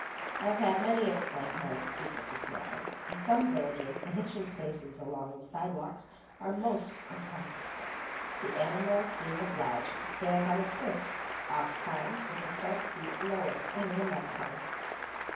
I have heard many of my kind speak of this matter. In some villages the hitching places along the sidewalks are most uncomfortable, the animals being obliged to stand on a twist, ofttimes with the front feet lower and in a mud puddle.